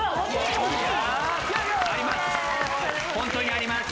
あります。